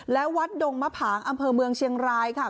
และวัดดงมะผางอำเภอเมืองเชียงรายค่ะ